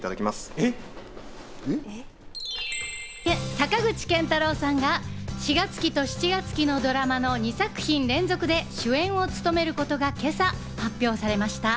坂口健太郎さんが４月期と７月期のドラマの２作品連続で主演を務めることが今朝発表されました。